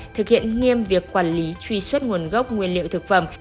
thực hiện nghiêm việc quản lý truy xuất nguồn gốc nguyên liệu thực phẩm